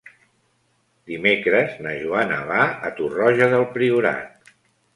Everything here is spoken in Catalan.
Dimecres na Joana va a Torroja del Priorat.